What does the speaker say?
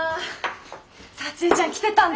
幸江ちゃん来てたんだ！